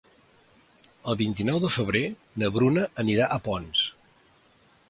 El vint-i-nou de febrer na Bruna anirà a Ponts.